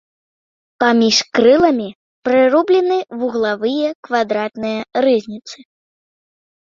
Паміж крыламі прырублены вуглавыя квадратныя рызніцы.